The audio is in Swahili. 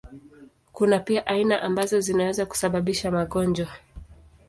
Kuna pia aina ambazo zinaweza kusababisha magonjwa.